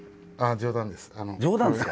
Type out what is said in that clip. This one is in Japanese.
冗談ですか。